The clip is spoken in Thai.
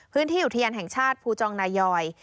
พื้นที่อุทยานแห่งชาติภูจองนายอย